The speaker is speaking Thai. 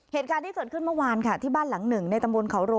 เหตุการณ์ที่เกิดขึ้นเมื่อวานค่ะที่บ้านหลังหนึ่งในตำบลเขาโร